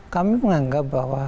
kami menganggap bahwa